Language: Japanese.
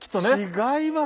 違いますね